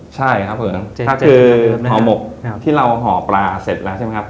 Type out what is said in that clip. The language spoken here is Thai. ใช่ครับผมก็คือห่อหมกที่เราห่อปลาเสร็จแล้วใช่ไหมครับ